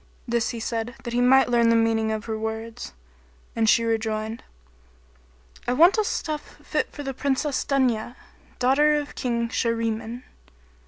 This he said, that he might learn the meaning of her words; and she rejoined, "I want a stuff fit for the Princess Dunya, daughter of King Shahriman."